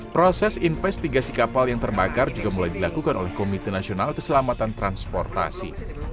proses investigasi kapal yang terbakar juga mulai dilakukan oleh komite nasional keselamatan transportasi